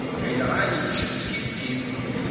Ɣileɣ ad nečč kifkif.